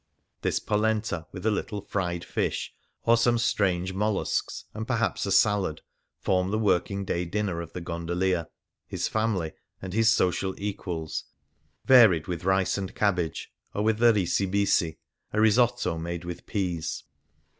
This polenta, with a little fried fish, or some strange molluscs and perhaps a salad, form the working day dinner of the gondolier, his family, and his social equals, varied with rice and cabbage, or with risi hisi, a risotto made with peas.